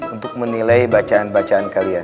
untuk menilai bacaan bacaan kalian